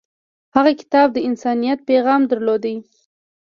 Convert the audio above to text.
هغه کتاب د انسانیت پیغام درلود.